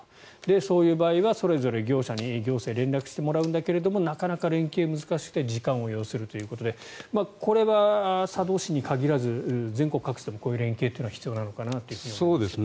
そういう場合はそれぞれ業者に行政が連絡してもらうんだけどなかなか連携が難しくて時間を要するということでこれは佐渡市に限らず全国各地でもこういう連携は必要なのかなと思いますね。